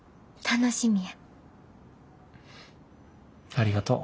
ありがとう。